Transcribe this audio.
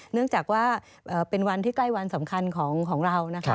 เนื่องจากว่าเป็นวันที่ใกล้วันสำคัญของเรานะคะ